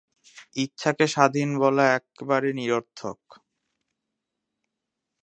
ইচ্ছাকে স্বাধীন বলা একেবারে নিরর্থক।